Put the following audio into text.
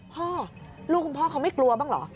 พ่อลูกคุณพ่อเขาไม่กลัวบ้างเหรอ